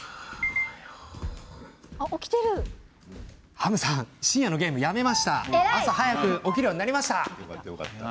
ハムさん、深夜のゲームをやめ朝早く起きるようになりました。